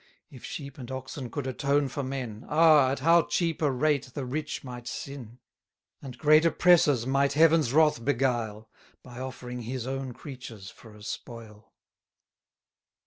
If sheep and oxen could atone for men, Ah! at how cheap a rate the rich might sin! 90 And great oppressors might Heaven's wrath beguile, By offering His own creatures for a spoil!